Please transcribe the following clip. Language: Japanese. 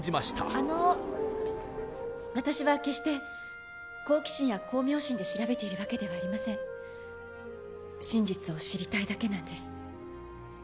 あの私は決して好奇心や功名心で調べているわけではありません真実を知りたいだけなんです